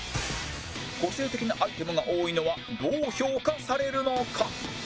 個性的なアイテムが多いのはどう評価されるのか？